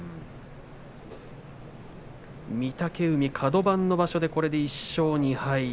御嶽海カド番の場所で１勝２敗